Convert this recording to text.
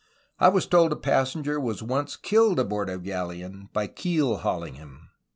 I was told a passenger was once kill'd aboard a galeon, by keel haling him."